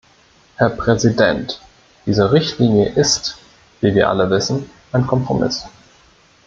Herr Präsident! Diese Richtlinie ist, wie wir alle wissen, ein Kompromiss.